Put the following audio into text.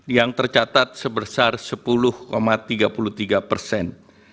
yang tercatat sebesar sepuluh tiga puluh tiga persen